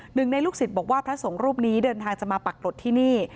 หนึ่งในลูกศิษย์บอกว่าพระสงฆ์รูปนี้เดินทางจะมาปรากฏที่นี่